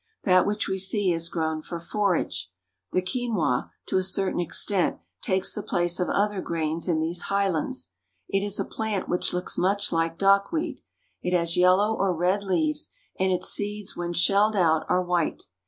That which we see is grown for forage. The quinua, to a certain extent, takes the place of other grains in these highlands. It is a plant which looks much like dockweed. It has yellow or red leaves, and its seeds when shelled out are white.